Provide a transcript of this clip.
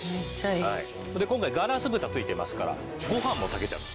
今回ガラス蓋付いてますからご飯も炊けちゃう。